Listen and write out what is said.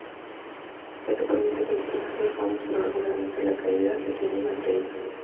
Esto permite que los pasajeros puedan observar brevemente la caída que tienen ante ellos.